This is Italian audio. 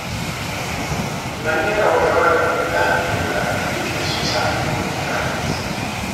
Il maniero è ora di proprietà della Religious Society of Friends.